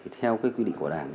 theo cái quy định của đảng